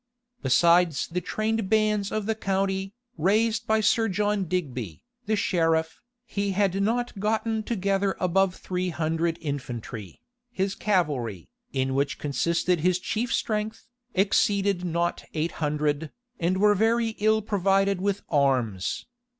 Besides the trained bands of the county, raised by Sir John Digby, the sheriff, he had not gotten together above three hundred infantry. His cavalry, in which consisted his chief strength, exceeded not eight hundred, and were very ill provided with arms.